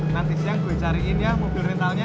nanti siang gue cariin ya mobil rentalnya